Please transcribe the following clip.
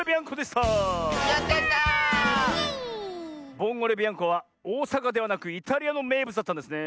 ボンゴレビアンコはおおさかではなくイタリアのめいぶつだったんですねえ。